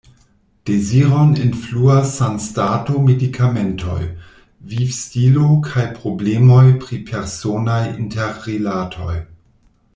Deziron influas sanstato, medikamentoj, vivstilo kaj problemoj pri personaj interrilatoj.